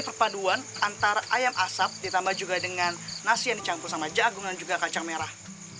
perpaduan antara ayam asap ditambah juga dengan nasi yang dicampur sama jagung dan juga kacang merah